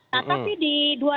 nah tapi di dua ribu dua